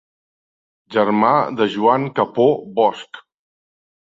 Germà de Joan Capó Bosch.